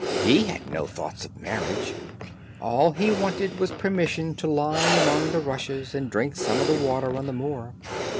he had no thoughts of marriage; all he wanted was permission to lie among the rushes, and drink some of the water on the moor.